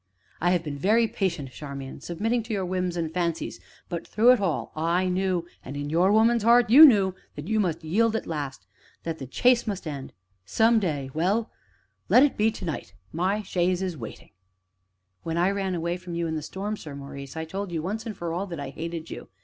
"I have been very patient, Charmian, submitting to your whims and fancies but, through it all; I knew, and in your woman's heart you knew, that you must yield at last that the chase must end some day; well let it be to night my chaise is waiting " "When I ran away from you, in the storm, Sir Maurice, I told you, once and for all, that I hated you.